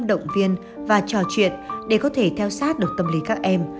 động viên và trò chuyện để có thể theo sát được tâm lý các em